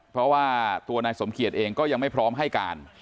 เพราะว่าตัวนายสมเกียจเองก็ยังไม่พร้อมให้การ